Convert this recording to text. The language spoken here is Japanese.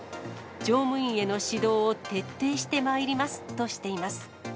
乗務員への指導を徹底してまいりますとしています。